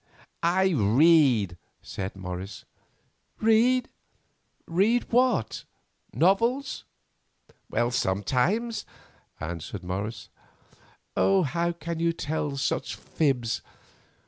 "I read," said Morris. "Read? Read what? Novels?" "Sometimes," answered Morris. "Oh, how can you tell such fibs?